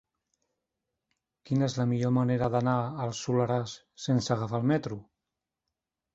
Quina és la millor manera d'anar al Soleràs sense agafar el metro?